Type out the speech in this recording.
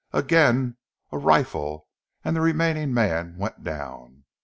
Again a rifle, and the remaining man went down.